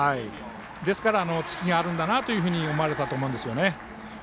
ですから、ツキがあるんだなと思われたんだと思うんですよね。